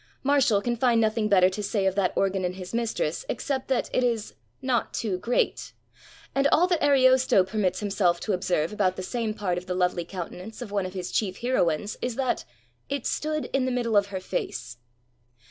Martial can find no thing better to say of that organ in his mistress except that it is ''not too great," and all that Ariosto permits himself to observe about the same part of the lovely countenance of one of his chief heroines is that "it stood in the middle of her face."